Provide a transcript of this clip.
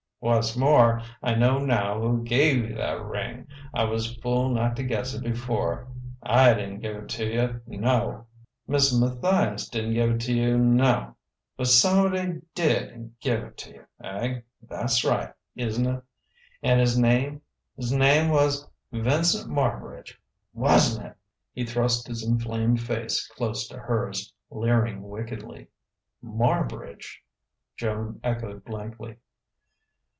"Wha's more, I know now who gave you that ring. I was fool not to guess it before. I didn't give it to you no! Mist' Matthias didn't give it to you no! But somebody did give it to you eh? Tha's right, isn't it? And his name 's name was Vincent Marbridge! Wasn't it?" He thrust his inflamed face close to hers, leering wickedly. "Marbridge!" Joan echoed blankly.